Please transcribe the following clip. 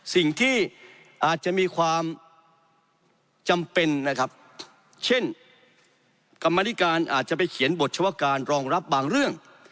สิ่งที่อาจจะมีความจำเป็นนะครับเช่นกรรมนิการอาจจะไปเขียนบทเฉพาะการรองรับบางเรื่อง